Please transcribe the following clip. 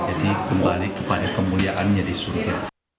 jadi kembali kepada kemuliaannya di surga